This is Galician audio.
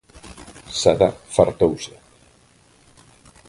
Sada fartouse.